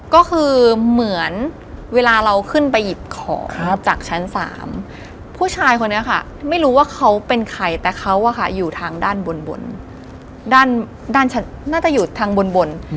ก็คือเหมือนเวลาเราขึ้นไปหยิบของจากชั้น๓ผู้ชายคนนี้ค่ะไม่รู้ว่าเขาเป็นใครแต่เขาอยู่ทางด้านบนด้านน่าจะอยู่ทางบน